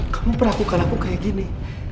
kamu pernah mengaku kayak gini